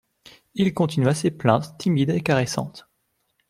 Et il continua ses plaintes timides et caressantes.